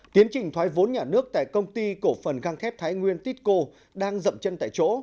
tiến trình thoái vốn nhà nước tại công ty cổ phần găng thép thái nguyên titco đang dậm chân tại chỗ